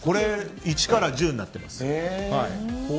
１から１０になってます。